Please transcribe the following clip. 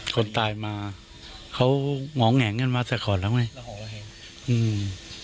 คนตายมาเขาห่องแห่งกันมาสักขอดแล้วไหมห่องก็แห่งอืม